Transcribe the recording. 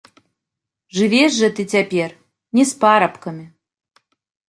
Жывеш жа ты цяпер не з парабкамі.